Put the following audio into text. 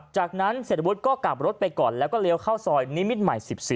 จากนั้นเศรษฐวุฒิก็กลับรถไปก่อนแล้วก็เลี้ยวเข้าซอยนิมิตรใหม่๑๔